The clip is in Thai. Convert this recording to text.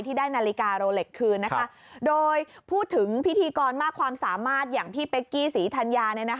ตอนมาความสามารถอย่างพี่เป๊กกี้ศรีธัญญา